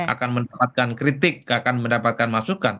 akan mendapatkan kritik akan mendapatkan masukan